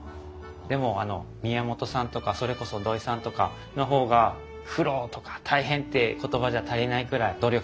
でも宮本さんとかそれこそ土井さんとかの方が苦労とか大変って言葉じゃ足りないくらい努力されて苦労されとると思います。